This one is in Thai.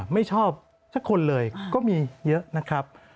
ไม่ชอบสักคนเลยก็มีเยอะนะครับ